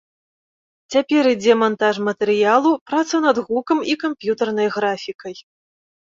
Цяпер ідзе мантаж матэрыялу, праца над гукам і камп'ютарнай графікай.